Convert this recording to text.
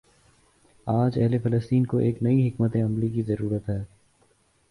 آج اہل فلسطین کو ایک نئی حکمت عملی کی ضرورت ہے۔